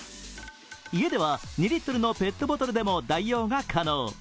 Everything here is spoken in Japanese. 家では２リットルのペットボトルでも代用が可能。